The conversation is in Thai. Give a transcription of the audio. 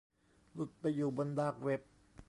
หลุดไปอยู่บนดาร์กเว็บ